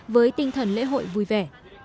với tinh thần lễ hội vui vẻ